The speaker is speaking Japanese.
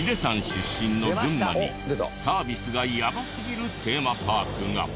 出身の群馬にサービスがやばすぎるテーマパークが。